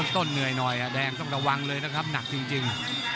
ต้นเหนื่อยหน่อยแดงต้องระวังเลยนะครับหนักจริง